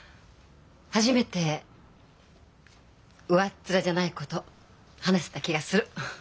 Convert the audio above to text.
初めて上っ面じゃないこと話せた気がする！